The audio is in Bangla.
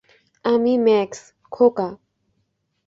আমি ম্যাক্স, খোকা।